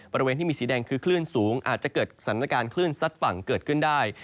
บริเวณที่มีสีแดงคือคลื่นสูงอาจจะเกิดสถานการณ์คลื่นซัดฝั่งเกิดขึ้นได้